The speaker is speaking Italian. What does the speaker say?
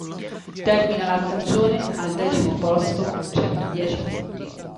Termina la stagione al decimo posto con centodieci punti.